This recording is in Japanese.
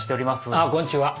あっこんにちは。